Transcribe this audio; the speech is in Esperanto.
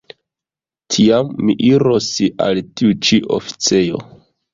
Tiam mi iros al tiu ĉi oficejo.